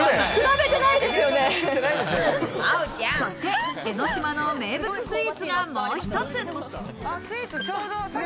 そして江の島の名物スイーツがもう一つ。